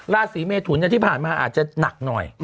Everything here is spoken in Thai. ราศีเมทุนที่ผ่านมาอาจจะหนักหน่อย